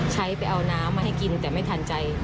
ใช้ไปเอาน้ำมาให้กินแต่ไม่ทันใจ